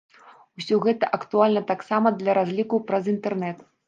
Усё гэта актуальна таксама для разлікаў праз інтэрнэт.